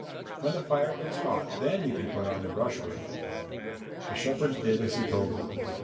When the fire gets hot then you can put on the brushwood." The shepherds did as he told them.